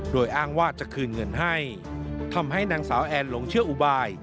โดยอ้างว่าจะคืนเงินให้ทำให้นางสาวแอนหลงเชื่ออุบาย